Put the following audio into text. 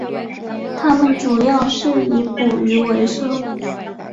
他们主要是以捕鱼维生。